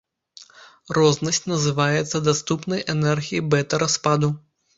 Рознасць называецца даступнай энергіяй бэта-распаду.